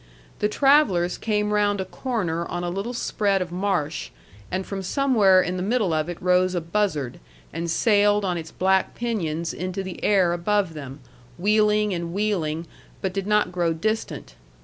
The travellers came round a corner on a little spread of marsh, and from somewhere in the middle of it rose a buzzard and sailed on its black pinions into the air above them, wheeling and wheeling, but did not grow distant.